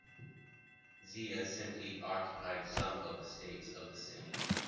Xia simply occupied some of the states of the city.